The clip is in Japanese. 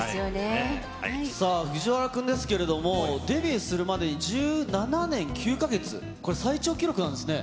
さあ、藤原君ですけれども、デビューするまでに１７年９か月、これ最長記録なんですね。